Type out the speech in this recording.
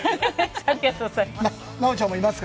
ありがとうございます。